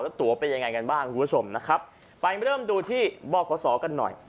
แล้วตัวเป็นยังไงกันบ้างคุณผู้ชมนะครับไปเริ่มดูที่บอกขอสอกันหน่อย